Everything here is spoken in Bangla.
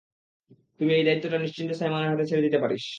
তুই এই দায়িত্বটা নিশ্চিন্তে সাইমনের হাতে ছেড়ে দিতে পারিস!